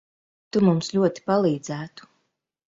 Tu mums ļoti palīdzētu.